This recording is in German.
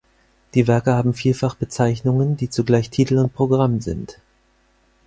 Die Werke haben vielfach Bezeichnungen, die zugleich Titel und Programm sind.